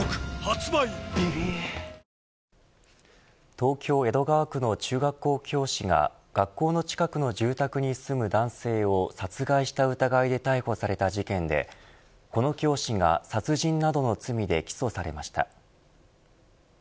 東京、江戸川区の中学校教師が学校の近くの住宅に住む男性を殺害した疑いで逮捕された事件でこの教師が、殺人などの罪で起訴されました。